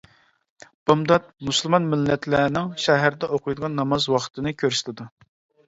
«بامدات» مۇسۇلمان مىللەتلەرنىڭ سەھەردە ئوقۇيدىغان ناماز ۋاقتىنى كۆرسىتىدۇ.